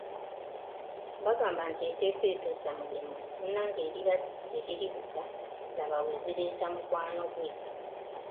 Bagamba nti eteefe etuusa mugenyi, munnange liba teriri busa laba bwe zireeta mukwano gwe.